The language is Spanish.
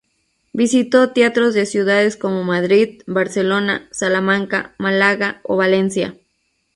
Visitó teatros de ciudades como Madrid, Barcelona, Salamanca, Málaga o Valencia.